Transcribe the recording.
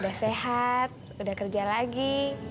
udah sehat udah kerja lagi